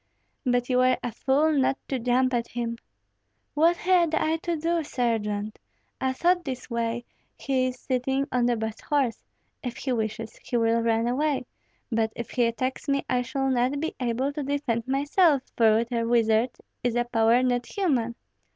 "But you were a fool not to jump at him." "What had I to do, Sergeant? I thought this way: he is sitting on the best horse; if he wishes, he will run away, but if he attacks me I shall not be able to defend myself, for with a wizard is a power not human!